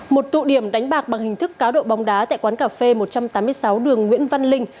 một tụ điểm đánh bạc bằng hình thức cá độ bóng đá tại quán cà phê một trăm tám mươi sáu đường nguyễn văn linh